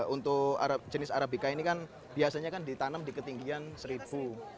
untuk jenis arabica ini kan biasanya kan ditanam di ketinggian seribu